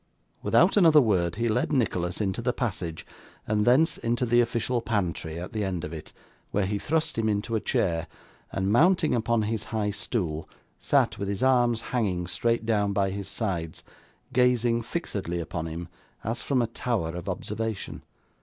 Without another word he led Nicholas into the passage, and thence into the official pantry at the end of it, where he thrust him into a chair, and mounting upon his high stool, sat, with his arms hanging, straight down by his sides, gazing fixedly upon him, as from a tower of observation.